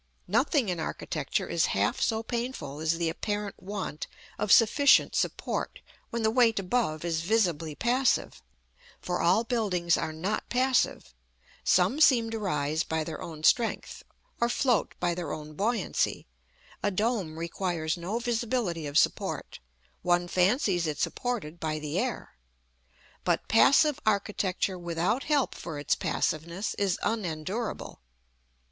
Nothing in architecture is half so painful as the apparent want of sufficient support when the weight above is visibly passive: for all buildings are not passive; some seem to rise by their own strength, or float by their own buoyancy; a dome requires no visibility of support, one fancies it supported by the air. But passive architecture without help for its passiveness is unendurable.